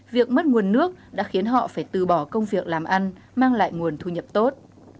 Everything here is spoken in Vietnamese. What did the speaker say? việc mất nguồn nước đã khiến họ phải từ bỏ công việc làm ăn mang lại nguồn thu nhập tốt